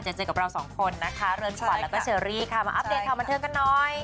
เจอเจอกับเราสองคนนะคะเรือนขวัญแล้วก็เชอรี่ค่ะมาอัปเดตข่าวบันเทิงกันหน่อย